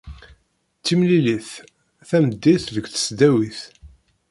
Timlilit, tameddit deg tesdawit.